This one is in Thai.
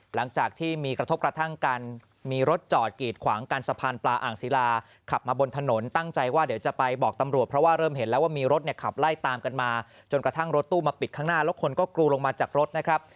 หลังจากที่มีกระทบกระทั่งกันมีรถจอดกีดขวางกันสะพานปลาอ่างศิลาขับมาบนถนนตั้งใจว่าเดี๋ยวจะไปบอกตำรวจเพราะว่าเริ่มเห็นแล้วว่ามีรถเนี่ยขับไล่ตามกันมาจนกระทั่งรถตู้มาปิดข้างหน้าแล้วคนก็กรูลงมาจากรถนะครับ